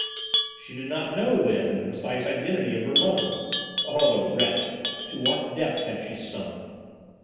She did not know then the precise identity of her lover! Oh, the wretch! To what depths had she sunk?"